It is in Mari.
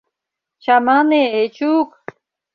Чамане, Эчук!